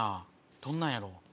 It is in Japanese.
どんなんやろ？